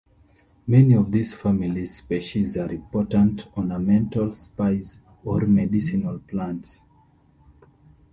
Many of the family's species are important ornamental, spice, or medicinal plants.